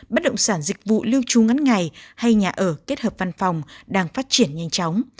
bất động sản dịch vụ lưu tru ngắn ngày hay nhà ở kết hợp văn phòng đang phát triển nhanh chóng